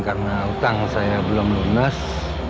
karena utang saya belum lunas